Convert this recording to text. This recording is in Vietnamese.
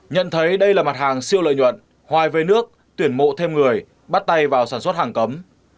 nhận thấy đây là mặt hàng siêu lợi nhuận hoài về nước tuyển mộ thêm người bắt tay vào sản xuất hàng cấm